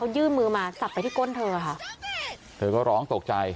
ยื่นมือมาสับไปที่ก้นเธอค่ะเธอก็ร้องตกใจ